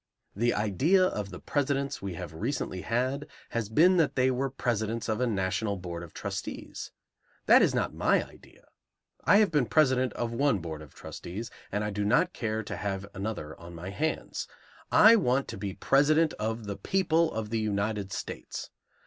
The idea of the Presidents we have recently had has been that they were Presidents of a National Board of Trustees. That is not my idea. I have been president of one board of trustees, and I do not care to have another on my hands. I want to be President of the people of the United States.